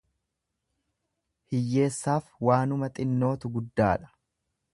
Hiyyeessaaf waanuma xinnootu guddaadha.